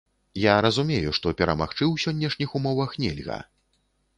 Я разумею, што перамагчы ў сённяшніх умовах нельга.